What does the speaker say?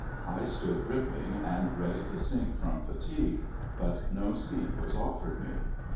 I stood dripping, and ready to sink from fatigue, but no seat was offered me.